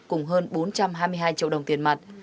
cùng hơn bốn trăm hai mươi hai triệu đồng tiền mặt